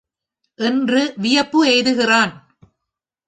என்று வியப்பு எய்துகிறான்.